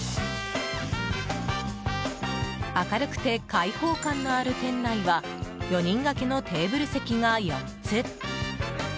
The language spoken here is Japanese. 明るくて開放感のある店内は４人掛けのテーブル席が４つ。